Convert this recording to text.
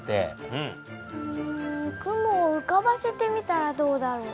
うん雲をうかばせてみたらどうだろう？